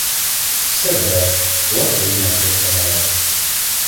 Себе, Латина проклинала